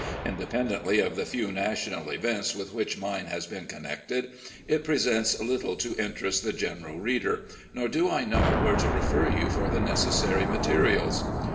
In dei)endently of the few national events with which mine has been connected, it presents little to interest the general FAMILY AFFAIRS 247 reader, nor do I know where to refer you for the necessary materials.